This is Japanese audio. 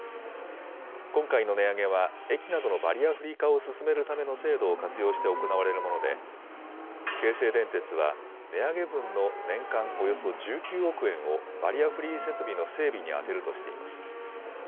今回の値上げは、駅などのバリアフリー化を進めるための制度を活用して行われるもので、京成電鉄は値上げ分の年間およそ１９億円を、バリアフリー設備の整備に充てるとしています。